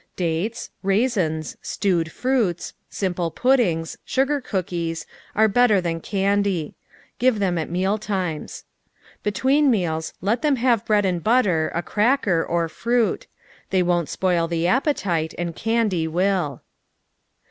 Dates, raisins, stewed fruits, simple puddings, sugar cookies, are better than candy. Give them at meal times. Between meals let them have bread and butter, a cracker, fruii. They won't spoil the appetite, and candy will.